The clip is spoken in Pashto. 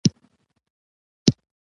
بې وزله هېوادونه داخلي توزېع کمی ولري.